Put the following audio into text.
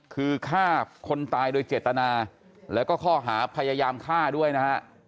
คือฆ่าคนตายโดยเจตนาแล้วก็ข้อหาพยายามฆ่าด้วยนะฮะ